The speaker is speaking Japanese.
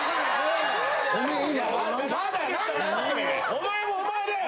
お前もお前だよ！